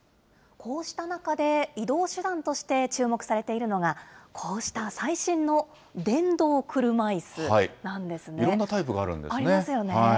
こうした中で、移動手段として注目されているのが、こうしたいろんなタイプがあるんですありますよね。